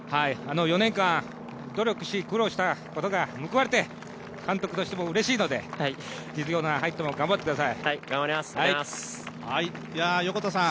４年間、努力し、苦労したことがむくわれて監督してもうれしいので実業団に入っても頑張ってください。